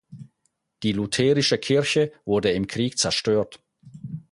Die lutherische Kirche wurde im Krieg zerstört.